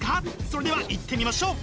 それではいってみましょう！